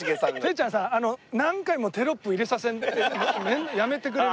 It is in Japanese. てっちゃんさ何回もテロップ入れさせるのやめてくれる？